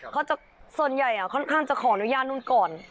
ส่วนใหญ่ค่อนข้างจะขออนุญาตนู่นก่อน